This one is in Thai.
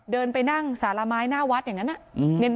เดินไปนั่งสารไม้หน้าวัดอย่างนั้น